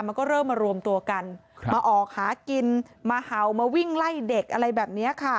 มันก็เริ่มมารวมตัวกันมาออกหากินมาเห่ามาวิ่งไล่เด็กอะไรแบบนี้ค่ะ